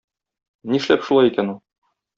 Нишләп шулай икән ул?